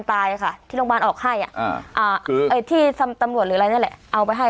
ตายค่ะที่โรงบาลออกให้ที่หรืออะไรแหละเอาไปให้